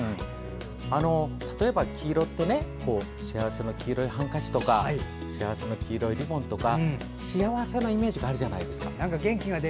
黄色って幸せの黄色いハンカチとか幸せの黄色いリボンとか幸せのイメージがあるじゃないですか。